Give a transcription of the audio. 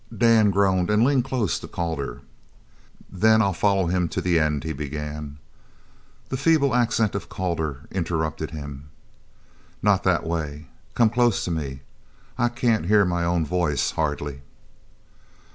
Dan groaned and leaned close to Calder. "Then I'll follow him to the end " he began. The feeble accent of Calder interrupted him. "Not that way. Come close to me. I can't hear my own voice, hardly."